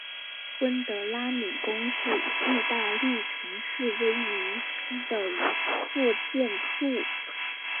温德拉敏宫是义大利城市威尼斯的一座建筑。